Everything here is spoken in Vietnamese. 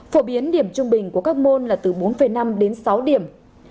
phổ biến điểm trung bình của các môn là từ bốn năm đến sáu điểm